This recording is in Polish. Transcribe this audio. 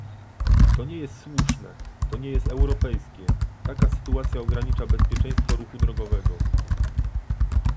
To nie jest słuszne, to nie jest europejskie, taka sytuacja ogranicza bezpieczeństwo ruchu drogowego